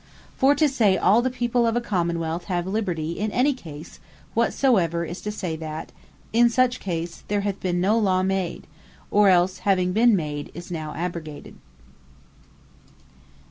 For to say all the people of a Common wealth, have Liberty in any case whatsoever; is to say, that in such case, there hath been no Law made; or else having been made, is now abrogated.